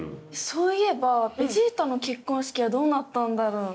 そういえばベジータの結婚式はどうなったんだろう？